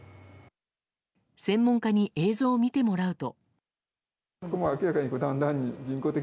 専門家に映像を見てもらうと。